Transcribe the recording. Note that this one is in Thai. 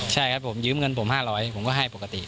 ใช่ครับผมยืมเงินผม๕๐๐ผมก็ให้ปกติ